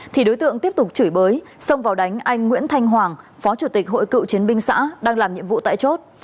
thì đối tượng tiếp tục chửi bới xông vào đánh anh nguyễn thanh hoàng phó chủ tịch hội cựu chiến binh xã đang làm nhiệm vụ tại chốt